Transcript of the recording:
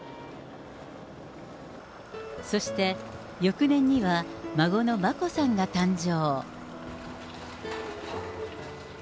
そして、翌年には孫の眞子さんが誕生。